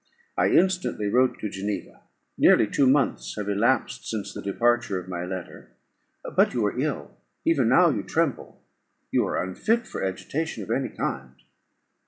I instantly wrote to Geneva: nearly two months have elapsed since the departure of my letter. But you are ill; even now you tremble: you are unfit for agitation of any kind."